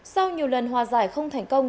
sau nhiều lần hòa giải không thành công